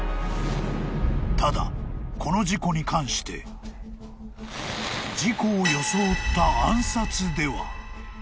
［ただこの事故に関して事故を装った暗殺では？］